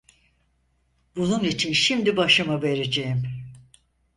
Bunun için şimdi başımı vereceğim…